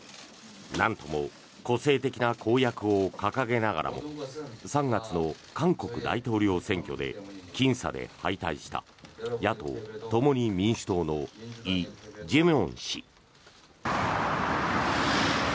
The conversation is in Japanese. なんとも個性的な公約を掲げながらも３月の韓国大統領選挙できん差で敗退した野党・共に民主党のイ・ジェミョン氏。